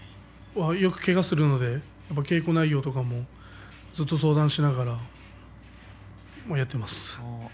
よくけがをするので稽古内容とかもずっと相談しながらやっています。